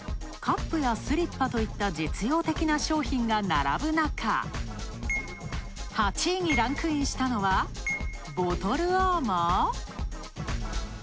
カップやスリッパといった、実用的な商品が並ぶ中、８位にランクインしたのは、ボトルアーマー？